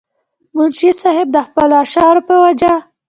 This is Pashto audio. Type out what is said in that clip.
منشي صېب د خپلو اشعارو پۀ وجه